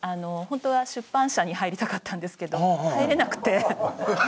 ホントは出版社に入りたかったんですけど入れなくて。